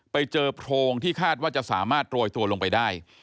ไปเจอโพรงที่คาดว่าจะสามารถโรยตัวลงไปได้